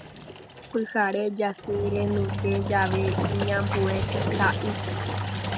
Pyhare jasy renyhẽ jave iñambue isa'y.